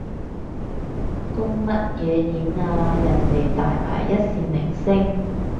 公乜嘢演啊，人哋大牌一線明星